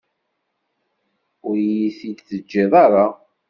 Ur iyi-t-id-teǧǧiḍ ara.